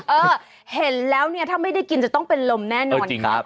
เออเห็นแล้วเนี่ยถ้าไม่ได้กินจะต้องเป็นลมแน่นอน